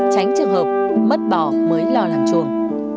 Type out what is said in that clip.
tránh trường hợp mất bỏ mới lo làm chuồng